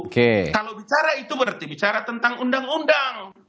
kalau bicara itu berarti bicara tentang undang undang